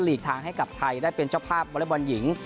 ทางให้กับไทยได้เป็นเจ้าภาพวอเล็กบอลหญิง